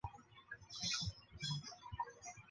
抚仙粘体虫为粘体科粘体虫属的动物。